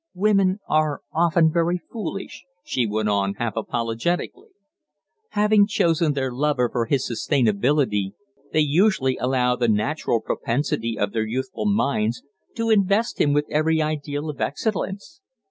"Women are often very foolish," she went on, half apologetically. "Having chosen their lover for his suitability they usually allow the natural propensity of their youthful minds to invest him with every ideal of excellence.